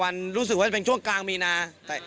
รู้สึกว่าจะเป็นช่วงกลางมีนา